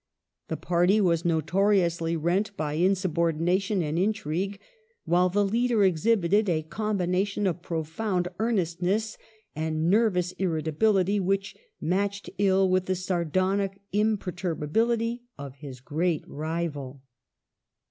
The party was notoriously rent by insubordination and intrigue, while the leader exhibited a combination of profound earnestness and nervous irritability which matched ill with the sardonic imper turbability of his great rival.